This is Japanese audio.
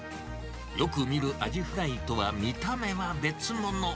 よく見るアジフライとは見た目は別物。